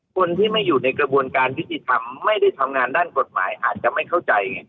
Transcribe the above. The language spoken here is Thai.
คนที่ไม่อยู่ในกระบวนการยุติธรรมไม่ได้ทำงานด้านกฎหมายอาจจะไม่เข้าใจไง